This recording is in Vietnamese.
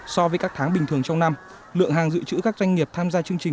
so với các tháng bình thường trong năm